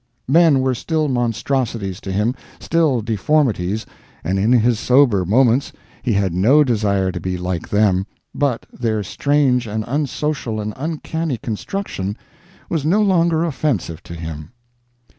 Men were still monstrosities to him, still deformities, and in his sober moments he had no desire to be like them, but their strange and unsocial and uncanny construction was no longer offensive to him.